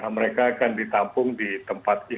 mereka akan ditampung di tempat ini